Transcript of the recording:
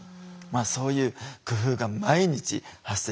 そういう工夫が毎日発生していくわけですよ。